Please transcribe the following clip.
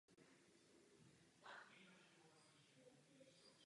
Součástí pojednání jsou i klasické důkazy Boží existence.